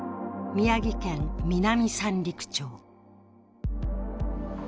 宮城県南三陸町。